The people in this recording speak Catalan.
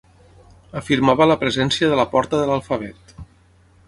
Afirmava la presència de la porta de l'alfabet.